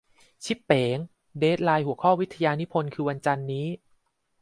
ชิปเป๋ง เดดไลน์หัวข้อวิทยานิพนธ์คือวันจันทร์นี้ !